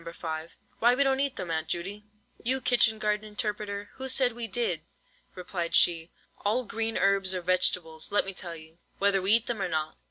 5, "why we don't eat them, Aunt Judy." "You kitchen garden interpreter, who said we did?" replied she. "All green herbs are vegetables, let me tell you, whether we eat them or not."